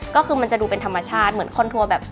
ก็คือมันจะดูเป็นธรรมชาติเหมือนคอนทัวร์แบบ